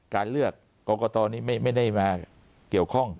การเลือกกรกตนี้ไม่ได้มาเกี่ยวข้อง